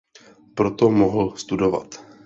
Proto mohl studovat.